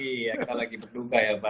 iya kita lagi berduka ya pak